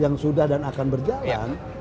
yang sudah dan akan berjalan